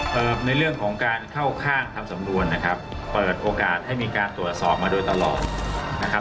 ในเรื่องของการเข้าข้างทำสำนวนนะครับเปิดโอกาสให้มีการตรวจสอบมาโดยตลอดนะครับ